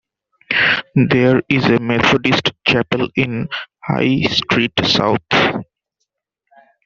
There is a Methodist chapel in High Street South.